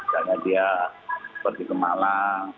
karena dia pergi ke malang